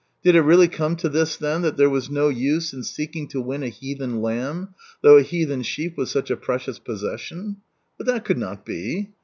Did it really come to this, then, that there was no use in seeking to win a heathen lamb, though a heathen sheep was such a precious posses sion ? But that could not be.